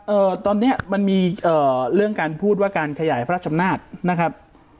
ครับตอนนี้มันมีเรื่องการพูดว่าการขยายพระราชชำนาธินะครับ